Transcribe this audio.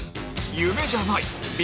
夢じゃない Ｂ